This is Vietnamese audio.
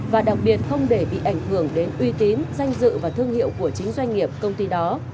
và đặc biệt không để bị ảnh hưởng đến uy tín danh dự và thương hiệu của chính doanh nghiệp công ty đó